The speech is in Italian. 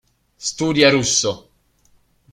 Studia russo.